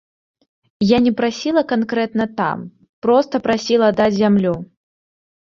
Я не прасіла канкрэтна там, проста прасіла даць зямлю.